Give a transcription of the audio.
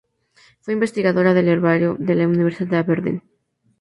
Fue investigadora en el Herbario de la Universidad de Aberdeen.